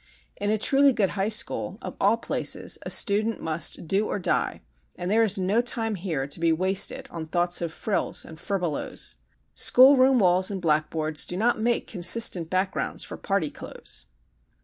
In a truly good high school, of all places, a student must do or die, and there is no time here to be wasted on thoughts of frills and furbelows. School room walls and blackboards do not make consistent backgrounds for party clothes.